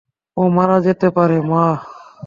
ও মারা যেতে পারে, মা।